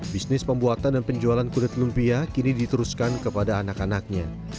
bisnis pembuatan dan penjualan kulit lumpia kini diteruskan kepada anak anaknya